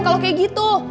kalau kayak gitu